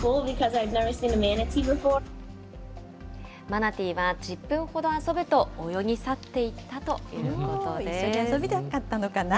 マナティーは１０分ほど遊ぶと泳ぎ去っていったということで一緒に遊びたかったのかな。